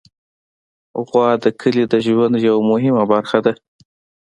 غوا د کلي د ژوند یوه مهمه برخه ده.